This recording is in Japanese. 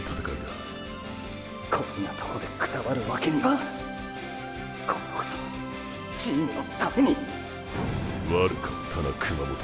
こんなとこでくたばるわけには今度こそチームのために悪かったな熊本台一。